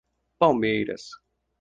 Palmeiras